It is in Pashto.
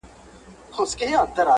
پر سترخوان پرته وي